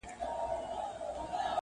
له اغيار سره يې كړي پيوندونه،